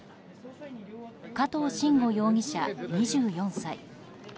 加藤臣吾容疑者、２４歳。